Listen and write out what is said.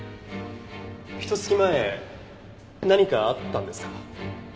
ひと月前何かあったんですか？